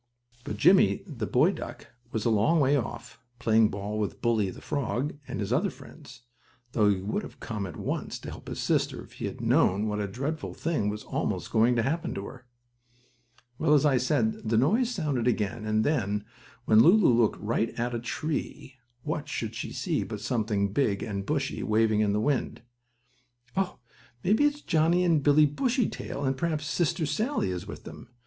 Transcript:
But Jimmie, the brave boy duck, was a long way off, playing ball with Bully, the frog, and his other friends, though he would have come at once to help his sister if he had known what a dreadful thing was almost going to happen to her. Well, as I said, the noise sounded again, and then, when Lulu looked right at a tree, what should she see but something big and bushy, waving in the wind. "Oh, maybe it's Johnnie and Billie Bushytail, and perhaps Sister Sallie is with them!"